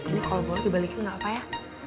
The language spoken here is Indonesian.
ini kolbor dibalikin gak apa ya